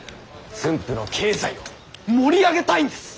駿府の経済を盛り上げたいんです。